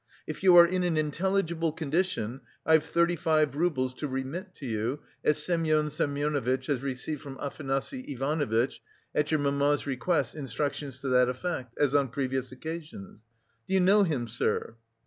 "If you are in an intelligible condition, I've thirty five roubles to remit to you, as Semyon Semyonovitch has received from Afanasy Ivanovitch at your mamma's request instructions to that effect, as on previous occasions. Do you know him, sir?"